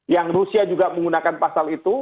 yang rusia juga menggunakan pasal itu